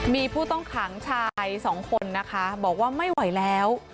มีผู้ต้องขังชายสองคนนะคะบอกว่าไม่ไหวแล้ว